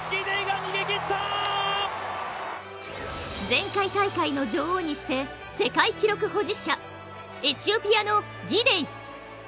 前回大会の女王にして世界記録保持者エチオピアのギデイ。